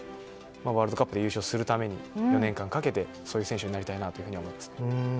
ワールドカップで優勝するために４年間かけてそういう選手になりたいなと思います。